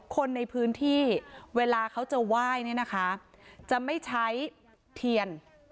คนในพื้นที่เวลาเขาจะไหว้เนี่ยนะคะจะไม่ใช้เทียน